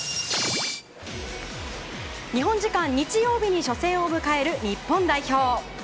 日本時間日曜日に初戦を迎える日本代表。